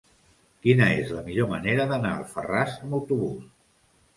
Quina és la millor manera d'anar a Alfarràs amb autobús?